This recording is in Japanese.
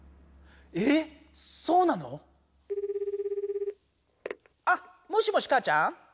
えっそうなの⁉あっもしもし母ちゃん？